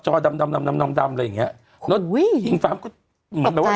จอดำดำดำดำดำอะไรอย่างเงี้ยโอ้ยหิงฟ้ามก็เหมือนแบบว่า